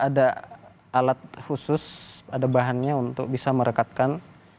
ada alat khusus ada bahannya untuk bisa merekatkan